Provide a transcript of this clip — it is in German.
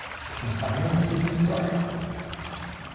Ich muss sagen, dass dies nicht so einfach ist.